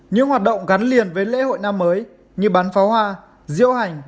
những hoạt động gắn liền với lễ hội năm mới như bắn pháo hoa diễu hành